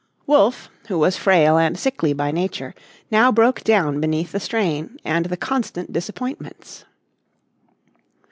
Wolfe, who was frail and sickly by nature, now broke down beneath the strain and the constant disappointments.